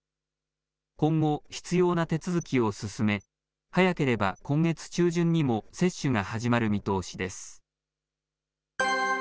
今後、必要な手続きを進め、早ければ今月中旬にも接種が始まる見通しです。